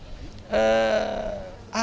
tapi ini juga bisa